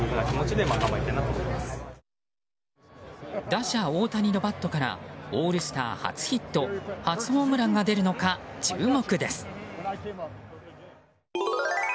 打者・大谷のバットからオールスター初ヒット初ホームランが出るのか注目です。